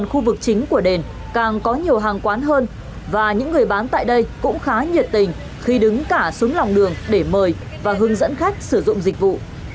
khu vực chính của đền càng có nhiều hàng quán hơn và những người bán tại đây cũng khá nhiệt tình khi đứng cả xuống lòng đường để mời và hướng dẫn khách sử dụng dịch vụ